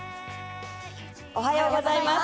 おはようございます。